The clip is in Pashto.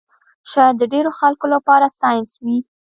شاید د ډېرو خلکو لپاره ساینس وي